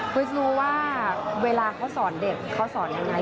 คริสรู้ว่าเวลาเขาสอนเด็กเขาสอนอย่างไร